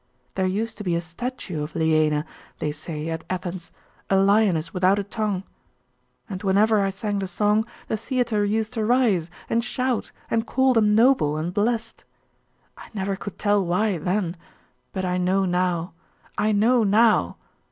There used to be a statue of Leaina, they say, at Athens, a lioness without a tongue.... And whenever I sang the song, the theatre used to rise, and shout, and call them noble and blessed.... I never could tell why then; but I know now! I know now!